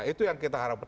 itu yang kita harapkan